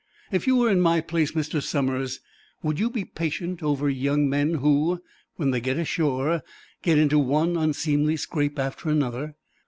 If you were in my place, Mr. Somers, would you be patient over young men who, when they get ashore, get into one unseemly scrape after another?